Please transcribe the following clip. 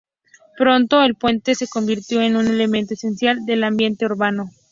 Pronto el puente se convirtió en un elemento esencial del ambiente urbano.